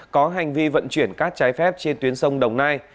có hành vi vận chuyển cát trái phép trên tuyến sông đồng nai